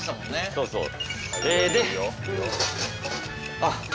そうそう。